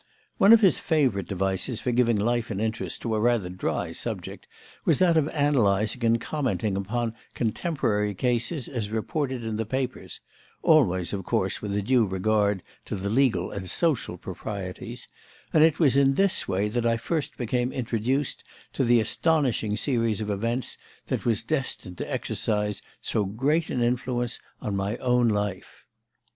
One of his favourite devices for giving life and interest to a rather dry subject was that of analysing and commenting upon contemporary cases as reported in the papers (always, of course, with a due regard to the legal and social proprieties); and it was in this way that I first became introduced to the astonishing series of events that was destined to exercise so great an influence on my own life.